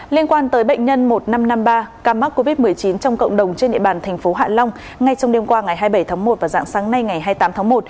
liên quan tới bệnh nhân một nghìn năm trăm năm mươi ba ca mắc covid một mươi chín trong cộng đồng trên địa bàn thành phố hạ long ngay trong đêm qua ngày hai mươi bảy tháng một và dạng sáng nay ngày hai mươi tám tháng một